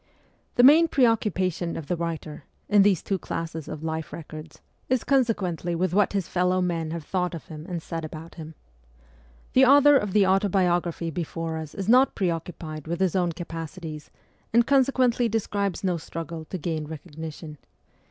The main pre occupation of the writer, in these two classes of life records, is consequently with vi MEMOIRS OF A REVOLUTIONIST what his fellow men have thought of him and said about him. The author of the autobiography before us is not pre occupied with his own capacities, and consequently describes no struggle to gain recognition.